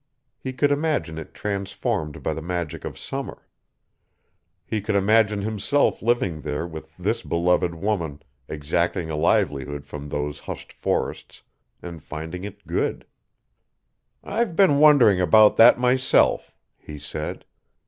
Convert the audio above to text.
He could imagine it transformed by the magic of summer. He could imagine himself living there with this beloved woman, exacting a livelihood from those hushed forests and finding it good. "I've been wondering about that myself," he said.